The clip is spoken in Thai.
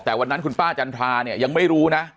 แต่วันนั้นคุณป้าจันทราเนี่ยยังไม่รู้นะ